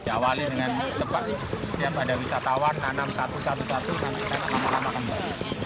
awali dengan tempat yang pada wisatawan nanam satu satu satu nanti kita akan lama lama kembali